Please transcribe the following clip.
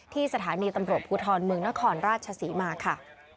ที่สถานีตำรวจพุทธนมึงนครราชสีมาค่ะ